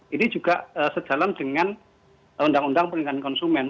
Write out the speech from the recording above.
ini juga sejalan dengan undang undang perlindungan konsumen